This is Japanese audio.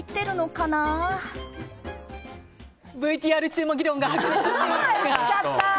ＶＴＲ中も議論が白熱しましたが。